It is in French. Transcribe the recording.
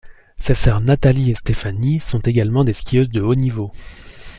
Ses sœurs Nathalie et Stephanie sont également des skieuses de haut niveau.